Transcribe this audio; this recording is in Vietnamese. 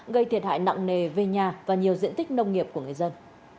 gây thiệt hại nặng nề về nhà và nhiều diện tích nông nghiệp của người dân